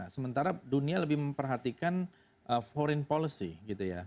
sementara dunia lebih memperhatikan foreign policy